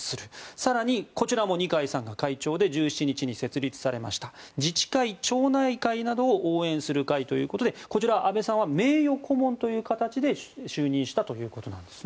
更に、こちらも二階さんが会長で１７日に設立されました自治会・町内会等を応援する会ということでこちら安倍さんは名誉顧問という形で就任したということなんです。